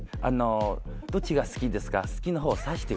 どっちが好きですか？